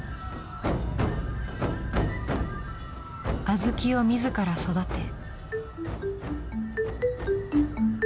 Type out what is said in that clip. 小豆を自ら育て。